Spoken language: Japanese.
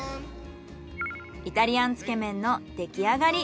イタリアンつけ麺の出来上がり。